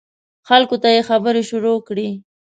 خلکو ته یې خبرې شروع کړې.